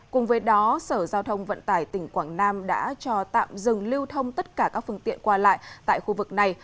cùng với đó sở giao thông vận tải tỉnh quảng nam đã cho tạm dừng lưu thông tất cả các phương tiện qua lại tại khu vực này